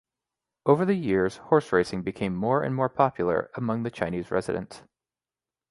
Over the years, horse racing became more and more popular among the Chinese residents.